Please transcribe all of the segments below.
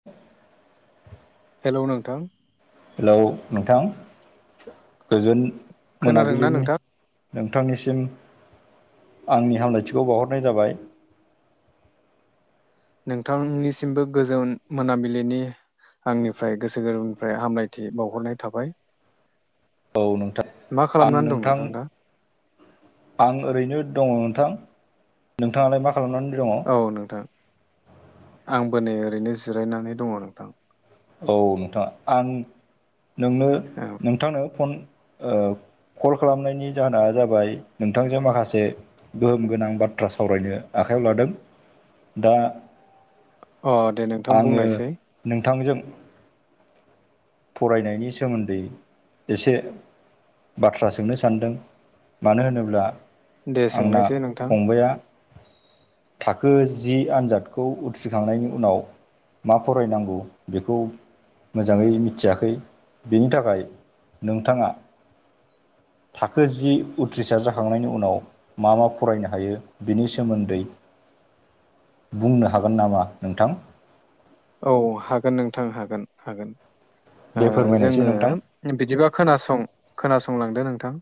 [inaudible] हेल' नोंथां। हेलौ नोंथां गोजोन खोनादोंना मोनाबिलिनि नोंथां नोंथांनिसिम आंनि हामलायथिखौ बावहरनाय जाबाय। नोंथांनिसिमबो गोजोन मोनाबिलिनि आंनिफ्राय गोसो गोरबोनिफ्राय हामलायथि बावहरनाय थाबाय। औ नोंथां मा खालामनानै दं नोंथां दा? आं ओरैनो दङ नोंथां। नोंथाङालाय मा खालामनानै दङ? औ नोंथां आंबो नै ओरैनो जिरायनानै दङ नोंथां। औ नोंथाङा आं नोंनो औ नोंथांनो फन ओ कल खालामनायनि जाहोना जाबाय नोंथांजों माखासे गोहोम गोनां बाथ्रा सावरायनो आखायाव लादों दा अ दे नोंथां आङो बुंनायसै। नोंथांजों फरायनायनि सोमोन्दै एसे बाथ्रा सोंनो सानदों मानो होनोब्ला दे आंना सोंनायसै नोंथां फंबाया थाखो जि आन्जादखौ उथ्रिखांनायनि उनाव मा फरायनांगौ बेखौ मोजाङै मिथि मिथियाखै बिनि थाखाय नोंथाङा थाखो जि उथ्रिसार जाखांनायनि उनाव मा मा फरायनो हायो बिनि सोमोन्दै बुंनो हागोन नामा नोंथां? औ हागोन नोंथां हागोन हागोन दे फोरमायनायसै जोङो नोंथां बिदिबा खोनासं खोनासंलांदो नोंथां।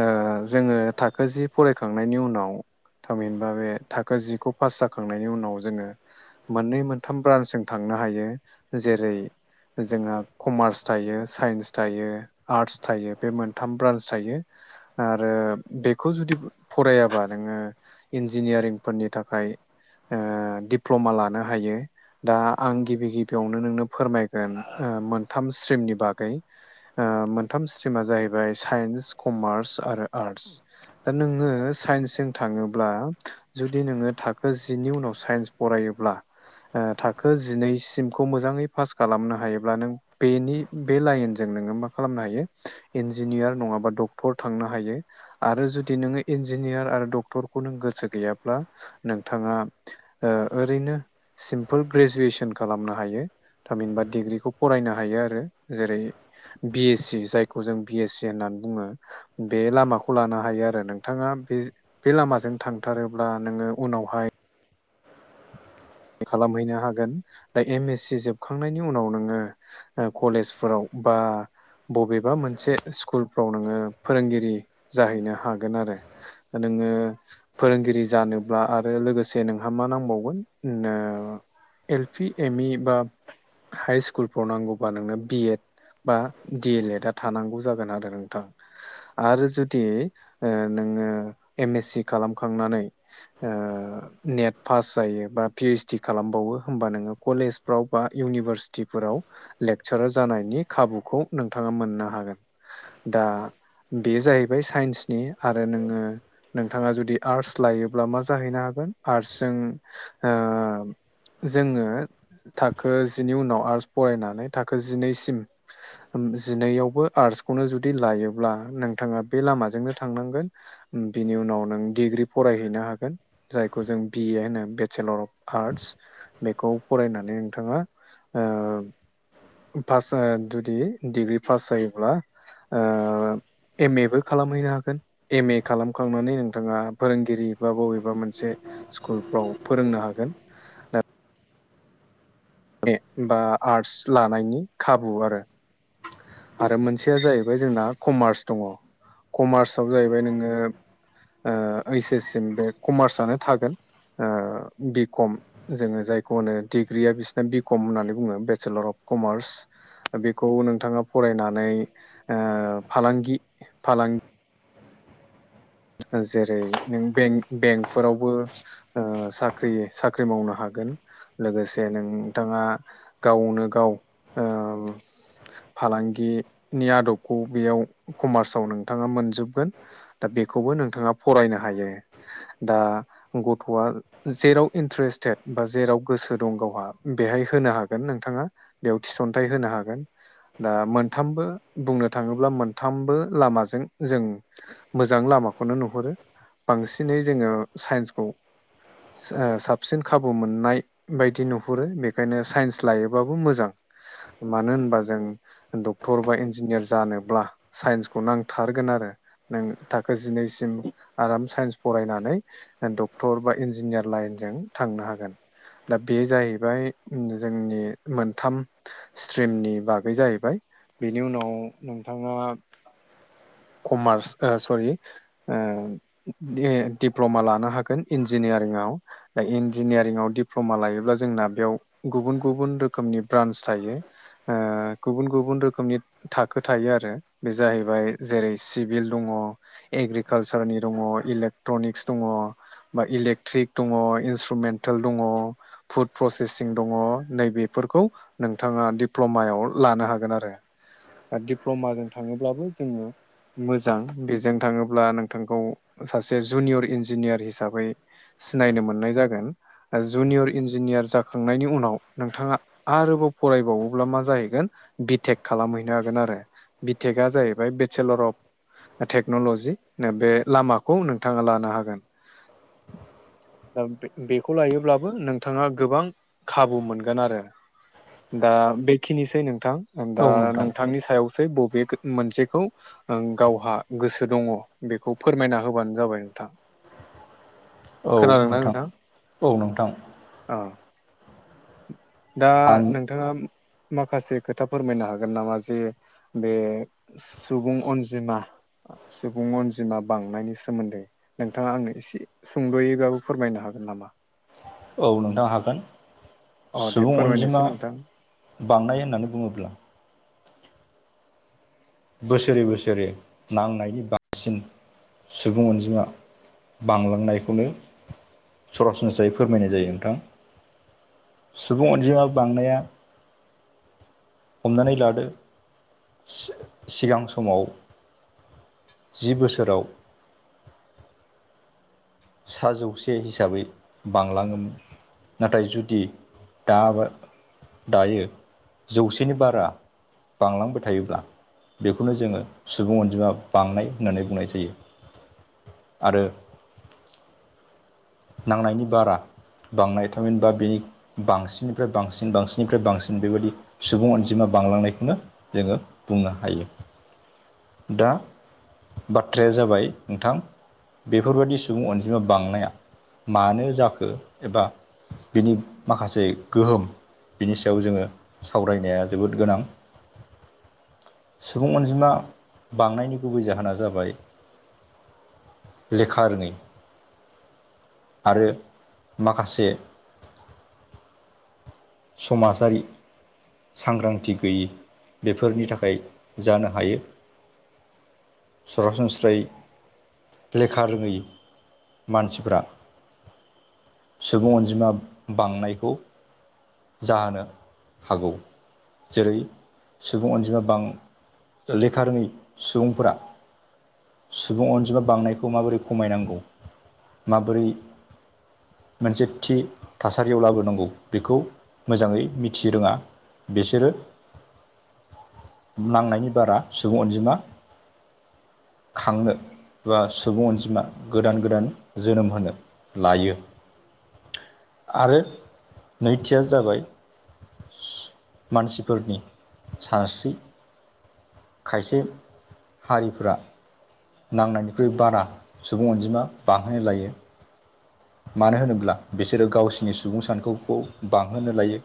ओ जोङो थाखो जि फरायखांनायनि उनाव थामहिनबा बे थाखो जिखौ पास जाखांनायनि उनाव जोङो मोननै मोनथाम ब्रान्सजों थांनो हायो जेरै जोंहा कमार्स थायो साइन्स थायो। आर्टस थायो बे मोनथाम ब्रान्स थायो। आरो बेखौ जुदि फरायाबा नोङो इन्जिनियारिंफोरनि थाखाय ओ दिप्ल'मा लानो हायो। दा आं गिबि गिबियावनो नोंनो फोरमायगोन ओ मोनथाम स्ट्रिमनि बागै ओ मोनथाम स्ट्रिमा जाहैबाय साइन्स कमार्स आरो आर्टस दा नोङो साइन्सजों थाङोब्ला जुदि नोङो थाखो जिनि उनाव साइन्स फरायोब्ला ओ थाखो जिनैसिमखौ मोजाङै पास खालामनो हायोब्ला नों बेनि बे लाइनजों नोङो मा खालामनो हायो इन्जिनियार नङाबा डक्टर थांनो हायो। आरो जुदि नोङो इन्जिनियार आरो डक्टरखौ नों गोसो गैयाब्ला नोंथाङा ओ ओरैनो सिमपोल ग्रेजुवेसन खालामनो हायो। थामहिनबा डिग्रिखौ फरायनो हायो आरो जेरै बि एस सि जायखौ जों बि एस सि होननानै बुङो। बे लामाखौ लानो हायो आरो नोंथाङा बे बे लामाजों थांथारोब्ला नोङो उनावहाय खालामहैनो हागोन दा एम एस सि जोबखांनायनि उनाव नोङो ओ कलेजफोराव बा बबेबा मोनसे स्कुलफ्राव नोङो फोरोंगिरि जाहैनो हागोन आरो [unintelligible] नोङो फोरोंगिरि जानोब्ला आरो लोगोसे नोंहा मा नांबावगोन? [unintelligible] एल पि एम इ बा हाइ स्कुलफ्राव नांगौबा नोंनो बि एड बा डि एल एड आ थानांगौ जागोन आरो नोंथां। आरो जुदि ओ नोङो एम एस सि खालामखांनानै ओ नेट फास जायो। बा पि ओइस डि खालामबावो होमबा नोङो कलेजफ्राव बा इउनिभारसिटिफोराव लेक्सारार जानायनि खाबुखौ नोंथाङा मोननो हागोन। दा बेयो जाहैबाय साइन्सनि आरो नोङो नोंथाङा जुदि आर्टस लायोब्ला मा जाहैनो हागोन? आर्टसजों ओ जोङो थाखो जिनि उनाव आर्टस फरायनानै थाखो जिनैसिम जिनैआवबो आर्टसखौनो जुदि लायोब्ला नोंथाङा बे लामाजोंनो थांनांगोन। बिनि उनाव नों डिग्रि फरायहैनो हागोन जायखौ जों बिए होनो बे चेलर अफ आर्टस बेखौ फरायनानै नोंथाङा ओ पास ओ जुदि डिग्रि पास जायोब्ला ओ एम ए बो खालामहैनो हागोन। एम ए खालामखांनानै नोंथाङा फोरोंगिरि बा बबेबा मोनसे स्कुलफ्राव फोरोंनो हागोन। [unintelligible] बा आर्टस लानायनि खाबु आरो आरो मोनसेया जाहैबाय जोंना कमार्स दङ। कमार्सआव जाहैबाय नोङो ओ ओइस एससिम बे कमार्सआनो थागोन। ओ बिकम जोङो जायखौ होनो डिग्रिया बिस बि कम होननानै बुङो बेसेलर अफ कमार्स। बेखौ नोंथाङा फरायनानै ओ फालांगि फालां जेरै नों बें-बेंकफोरावबो ओ साख्रि साख्रि मावनो हागोन लोगोसे नोंथाङा गावनो गाव ओ फालांगि नि आदबखौ बेयाव कमार्सआव नोंथाङा मोनजोबगोन। दा बे खौबो नोंथाङा फरायनो हायो दा गथ'आ जेराव इन्ट्रेस्टेड बा जेराव गोसो दं गावहा बेहाय होनो हागोन नोंथाङा। बेयाव थिसनथाइ होनो हागोन। दा मोनथामबो बुंनो थाङोब्ला मोनथामबो लामाजों जों मोजां मोजां लामाखौनो नुहुरो, बांसिनै जोङो साइन्सखौ स ओ साबसिन खाबु मोननाय बायदि नुहुरो बेखायनो साइन्स लायोबाबो मोजां। मानो होनबा जों डक्टर बा, इन्जिनियार जानोब्ला साइन्सखौ नांथारगोन आरो। नों थाखो जिनैसिम आराम साइन्स फरायनानै ओ डक्टर बा, इन्जिनियार लाइनजों थांनो हागोन। दा बे जाहैबाय जोंनि मोनथाम स्ट्रिमनि बागै जाहैबाय। बेनि उनाव नोंथाङा कमार्स ओ सरि ओ दि-दिप्ल'मा लानो हागोन इन्जिनियारिंआव दा इन्जिनियारिंआव दिप्ल'मा लायोब्ला जोंना बेयाव गुबुन गुबुन रोखोमनि ब्रान्स थायो। ओ गुबुन गुबुन रोखोमनि थाखो थायो आरो बे जाहैबाय जेरै सिभिल दङ एग्रिकालसारनि दङ इलेक्ट्रनिक्स दङ। बा इलेक्ट्रिक दङ, इन्सट्रुमेन्टेल दङ फुड प्रसेसिं दङ नैबेफोरखौ नोंथाङा दिप्ल'मायाव लानो हागोन आरो बा दिडप्ल'माजों थाङोब्लाबो जोङो मोजां बेजों थाङोब्ला नोंथांखौ सासे जुनियर इन्जिनियार हिसाबै सिनायनो मोननाय जागोन। ओ जुनियर इन्जिनियार जाखांनायनि उनाव नोंथाङा आरोबाव फरायबावोब्ला मा जाहैगोन बिटेक खालामहैनो हागोन आरो। बिटेकआ जाहैबाय बे बेचेलर अफ टेक्न'ल'जि बे लामाखौ नोंथाङा लानो हागोन। [inaudible] दा बे बेखौ लायोब्लाबो नोंथाङा गोबां खाबु मोनगोन आरो। दा बेखिनिसै नोंथां। दा औ नोंथां नोंथांनि सायावसै बबे गो मोनसेखौ ओं गावहा गोसो दङ बेखौ फोरमायना होबानो जाबाय नोंथां। खोनादोंना नोंथां? औ नोंथां ओ। दा आं नोंथाङा माखासे खोथा फोरमायनो हागोन नामा? जे बे सुबुं अनजिमा सुबुं अनजिमा बांनायनि सोमोन्दै नोंथाङा आंनो एसे सुंद'यैबाबो फोरमायनो हागोन नामा? औ नोंथां हागोन अ दे सुबुं फोरमायनोसै अनजिमा नोंथां बांनाय होननानै बुङोब्ला बोसोरै बोसोरै नांनायनि बांसिन सुबुं अनजिमा बांलांनायखौनो सरासनस्रायै फोरमायनाय जायो नोंथां। सुबुं अनजिमाया बांनाया हमनानै लादो सि-सिगां समाव जि बोसोराव सा जौसे हिसाबै बांलाङोमोन नाथाय जुदि दा दायो जौसेनि बारा बांलांबाय थायोब्ला बेखौनो जोङो सुबुं अनजिमा बांनाय होननानै बुंनाय जायो आरो नांनायनि बारा बांनाय थामहिनबा बेनि बांसिननिफ्राय बांसिन बांसिननिफ्राय बांसिन बेबायदि सुबुं अनजिमा बांलांनायखौनो जोङो बुंनो हायो। दा बाथ्राया जाबाय नोंथां बेफोरबादि सुबुं अनजिमा बांनाया मानो जाखो एबा बिनि माखासे गोहोम बिनि सायाव जोङो सावरायनाया जोबोद गोनां। सुबुं अनजिमा बांनायनि गुबै जाहोना जाबाय लेखा रोङै आरो माखासे समाजारि सांग्रांथि गैयि बेफोरनि थाखाय जानो हायो सरासनस्रै लेखा रोङै मानसिफोरा सुबुं अनजिमा बांनायखौ जानो हागौ जेरै- सुबुं अनजिमा बां लेखा रोङै सुबुंफोरा सुबुं अनजिमा बांनायखौ माबोरै खमायनांगौ माबोरै मोनसे थि थासारियाव लाबोनांगौ बेखौ मोजाङै मिथि रोङा बेसोरो नांनायनि बारा सुबुं अनजिमा खांनो बा सुबुं अनजिमा गोदान गोदान जोनोम होनो लायो आरो नैथिया जाबाय मानसिफोरनि सानस्रि खायसे हारिफोरा नांनायनिख्रुइ बारा सुबुं अनजिमा बाहोनो लायो। मानो होनोब्ला बिसोरो गावसोरनि सुबुं सानखौखौ बांहोनो लायो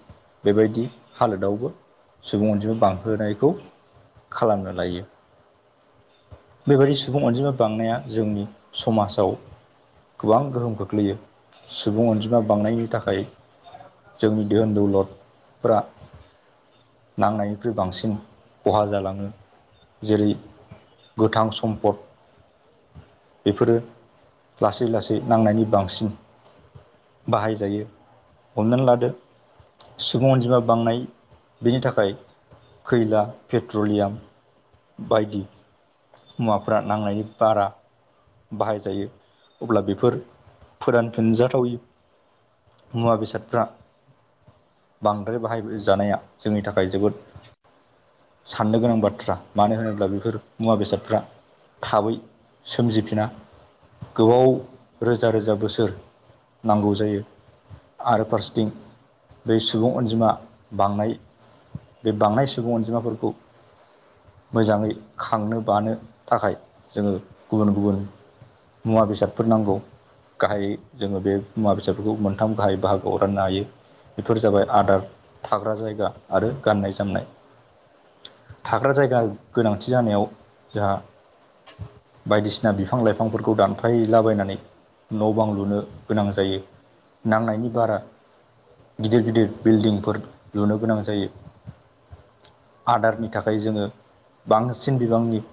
बेबायदि हालोदावबो सुबुं अनजिमा बांहोनायखौ खालामनो लायो बेबायदि सुबुं अनजिमा बांनाया जोंनि समाजाव गोबां गोहोम खोख्लैयो सुबुं अनजिमा बांनायनि थाखाय जोंनि धोन दौलदफ्रा नांनायनिख्रुइ बांसिन खहा जालाङो जेरै गोथां सम्पद बेफोरो लासै लासै नांनायनि बांसिन बाहायजायो हमनानै लादो सुबुं अनजिमा बांनाय बेनि थाखाय खैला पेट्रलियाम बायदि मुवाफोरा नांनायनि बारा बाहायजायो अब्ला बेफोर फोरानफिनजाथावयि मुवा बेसादफ्रा बांद्राय बाहायजानाया जोंनि थाखाय जोबोद साननो गोनां बाथ्रा मानो होनोब्ला बेफोर मुवा बेसादफ्रा थाबै सोमजिफिना गोबाव रोजा रोजा बोसोर नांगौ जायो आरो फारसेथिं बै सुबुं अनजिमा बांनाय बे बांनाय सुबुं अनजिमाफोरखौ मोजाङै खांनो बानो थाखाय जोङो गुबुन गुबुन मुवा बेसादफोर नांगौ गाहायै जोङो बे मुवा बेसादफोरखौ मोनथाम गाहायै बाहागोआव राननो हायो बेफोर जाबाय आदार थाग्रा जायगा आरो गाननाय जोमनाय थाग्रा जायगा गोनांथि जानायाव जोंहा बायदिसिना बिफां लाइफांफोरखौ दानफायलाबायनानै न' बां लुनो गोनां जायो नांनायनि बारा गिदिर गिदिर बिल्डिंफोर लुनो गोनां जायो आदारनि थाखाय जोङो बांसिन बिबांनि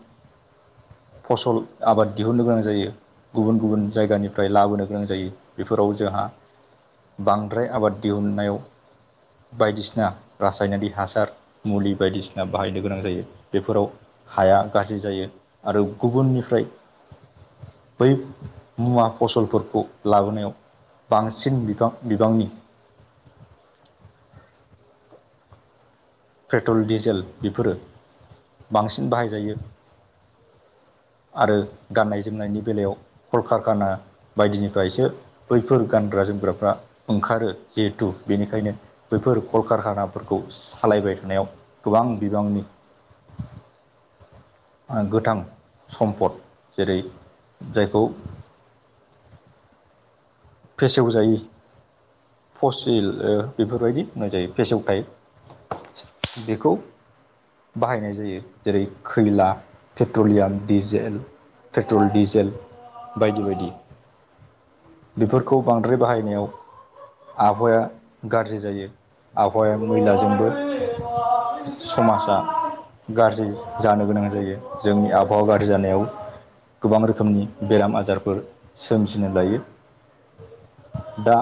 फसल आबाद दिहुननो गोनां जायो गुबुन गुबुन जायगानिफ्राय लाबोनो गोनां जायो बेफोराव जोंहा बांद्राय आबाद दिहुननायाव बायदिसिना रासायनारि हासार मुलि बायदिसिना बाहायनो गोनां जायो बेफोराव हाया गाज्रि जायो आरो गुबुननिफ्राय बै मुवा फसलफोरखौ लाबोनायाव बांसिन बिबां बिबांनि पेट्रल डिजेल बेफोरो बांसिन बाहायजायो आरो गाननाय जोमनायनि बेलायाव कलकारखाना बायदिनिफ्रायसो बैफोर गानग्रा जोमग्राफ्रा ओंखारो जिहेथु बेनिखायनो बैफोर कलकारखानाफोरखौ सालायबाय थानायाव गोबां बिबांनि ओ गोथां सम्पद जेरै जायखौ फेसेवजायि फसिल ओ बेफोरबायदि होननाय जायो फेसेवथाय बेखौ बाहायनाय जायो जेरै खैला, पेट्रलियाम, डिजेल। पेट्रल डिजेल बायदि बायदि बेफोरखौ बांद्राय बाहायनायाव आबहावाया गाज्रि जायो आबहावाया मैलाजोंबो समाजा गाज्रि जानो गोनां जायो। जोंनि आबहावा गाज्रि जानायाव गोबां रोखोमनि बेराम आजारफोर सोमजिनो लायो दा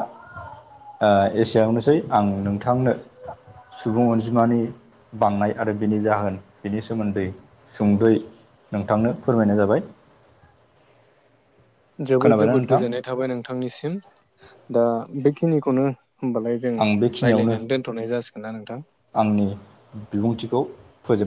आ एसेयावनोसै आं नोंथांनो सुबुं अनजिमानि बांनाय आरो बिनि जाहोन बिनि सोमोन्दै सुंद'यै नोंथांनो फोरमायनाय जाबाय। जोबोद खोनाबायना जोबोद नोंथां गोजोननाय थाबाय नोंथांनिसिम दा बेखिनिखौनो होमबालाय जों आं बेखिनियावनो रायलायनानै दोनथ'नाय जासिगोन ना नोंथां? आंनि बिबुंथिखौ फोजोब